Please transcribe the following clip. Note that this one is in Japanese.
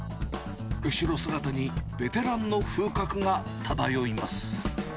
後ろ姿にベテランの風格が漂います。